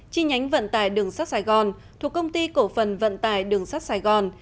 chi nhánh vận tài đường sắt sài gòn thuộc công ty cổ phần vận tài đường sắt sài gòn